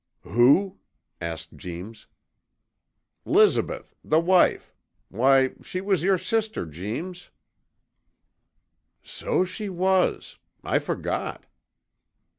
'Who?' asked Jeems. ''Lizabeth, the wife, why, she was your sister, Jeems!' 'So she was! I forgot!'